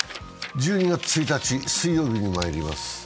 １２月１日水曜日にまいります。